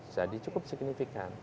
jadi cukup signifikan